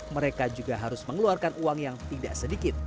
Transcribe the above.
mereka juga harus mengeluarkan uang yang tidak sedikit